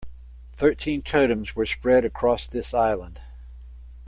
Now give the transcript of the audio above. Thirteen totems were spread across this island.